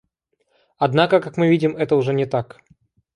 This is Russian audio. Однако, как мы видим, это уже не так.